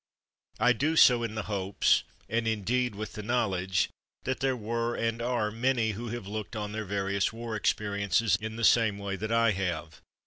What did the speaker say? I do so in the hopes and, indeed, with the know ledge, that there were, and are, many who have looked on their various war experiences in the same way that I have.